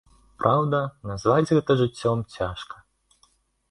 Праўда, назваць гэта жыццём цяжка.